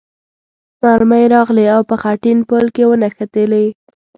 مرمۍ راغلې او په خټین پل کې ونښتلې.